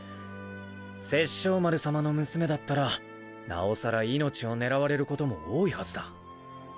殺生丸さまの娘だったら尚更命を狙われる事も多いはずだ。